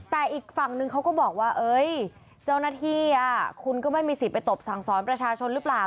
แต่อีกฝั่งนึงเขาก็บอกว่าเจ้าหน้าที่คุณก็ไม่มีสิทธิ์ไปตบสั่งสอนประชาชนหรือเปล่า